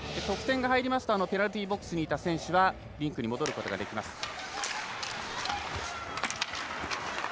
得点が入りますとペナルティーボックスにいた選手はリンクに戻ることができます。